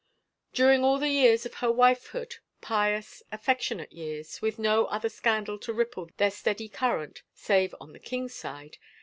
During all the years of her wifehood, pious, affection ate years, with no other scandal to ripple their steady current — save on the king's side!